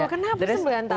kenapa sembilan tahun